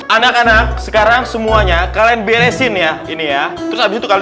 anak anak sekarang semuanya kalian beresin ya ini ya terus abis itu kalian